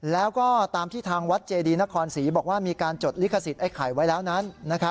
แล้วก็ตามที่ทางวัดเจดีนครศรีบอกว่ามีการจดลิขสิทธิไว้แล้วนั้น